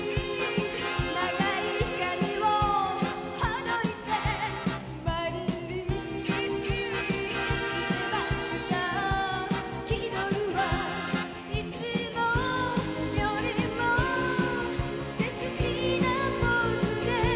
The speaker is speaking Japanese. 長い髪をほどいて」「マリリンシネマスタア気取るわ」「いつもよりもセクシーなポーズで」